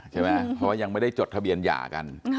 ใช่ไหมเพราะว่ายังไม่ได้จดทะเบียนหย่ากัน